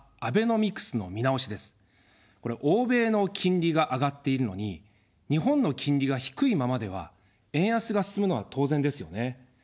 これは欧米の金利が上がっているのに、日本の金利が低いままでは円安が進むのは当然ですよね。